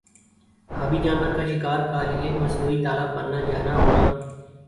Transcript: آبی جانور کا شکار کا لئے مصنوعی تالاب بننا جانا ہونا